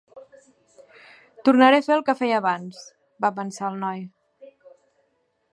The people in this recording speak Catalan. "Tornaré a fer el que feia abans", va pensar el noi.